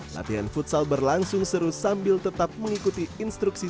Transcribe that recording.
latihan futsal berlangsung seru sambil tetap mengikuti instruksi